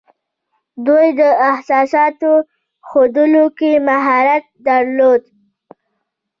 دوی د احساساتو ښودلو کې مهارت درلود